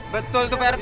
betul tuh prt